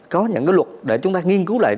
có những cái luật để chúng ta nghiên cứu lại